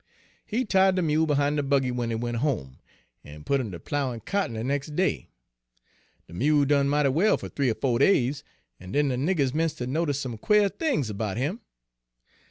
"He tied de mule behin' de buggy w'en he went home, en put 'im ter ploughin' cotton de nex' day. De mule done mighty well fer th'ee er fo' days, en den de niggers 'mence' ter notice some quare things erbout him.